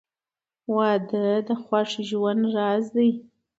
• واده د خوښ ژوند راز دی.